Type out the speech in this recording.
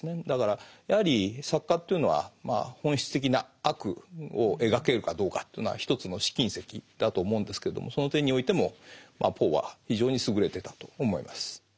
だからやはり作家というのは本質的な悪を描けるかどうかというのは一つの試金石だと思うんですけれどもその点においてもポーは非常に優れてたと思います。